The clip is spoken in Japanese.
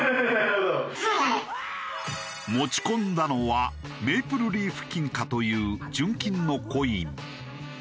持ち込んだのはメイプルリーフ金貨という純金のコイン。